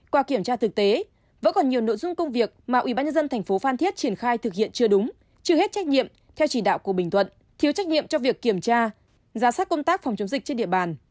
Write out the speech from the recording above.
qua kiểm tra thực tế vẫn còn nhiều nội dung công việc mà ubnd tp phan thiết triển khai thực hiện chưa đúng chưa hết trách nhiệm theo chỉ đạo của bình thuận thiếu trách nhiệm cho việc kiểm tra giả soát công tác phòng chống dịch trên địa bàn